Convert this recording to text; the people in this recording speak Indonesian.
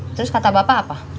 terus kata bapak apa